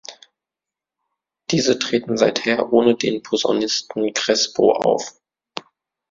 Diese treten seither ohne den Posaunisten Crespo auf.